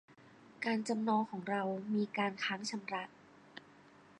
การจำนองของเรามีการค้างชำระ